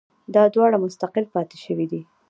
دا دواړه مستقل پاتې شوي دي